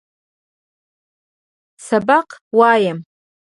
سبق وایم.